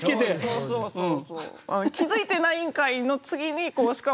そうそうそう。